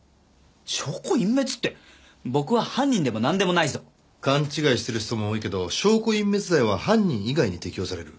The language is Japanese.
証拠隠滅って僕は犯人でもなんでもないぞ。勘違いしてる人も多いけど証拠隠滅罪は犯人以外に適用される。